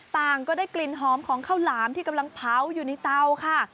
ต่างก็ได้กลิ่นหอมของข้าวหลามที่กำลังเผาอยู่ในเตาค่ะ